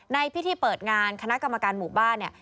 ในพิธีเปิดงานคณะกรรมการหมู่บ้านเนี่ย